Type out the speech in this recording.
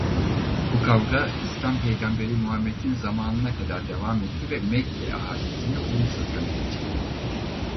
Bu kavga İslâm Peygamberi Muhammed'in zamanına kadar devam etti ve Mekke ahalisini olumsuz yönde etkiledi.